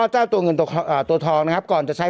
เจ้าตัวเงินตัวทองนะครับก่อนจะใช้